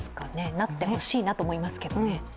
なってほしいなと思いますけどね。